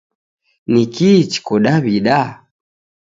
Ni kihi chiko Daw'ida?